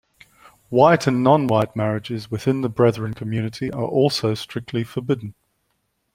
White and non-white marriages within the brethren community are also strictly forbidden.